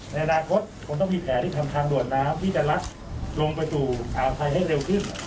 ในอนาคตคุณต้องมีแผนที่ทำทางด่วนน้ำที่จะลัดลงไปสู่อ่าวไทยให้เร็วขึ้น